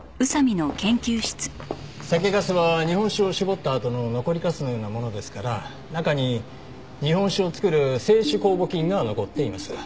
酒粕は日本酒を搾ったあとの残りかすのようなものですから中に日本酒を造る清酒酵母菌が残っています。